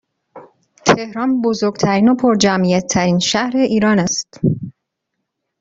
تهران بزرگترین و پرجمعیت ترین شهر ایران است